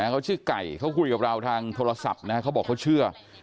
เขาชื่อไก่เขาคุยกับเราทางโทรศัพท์นะเขาบอกเขาเชื่อ